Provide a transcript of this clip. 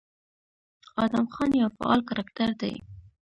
ادم خان يو فعال کرکټر دى،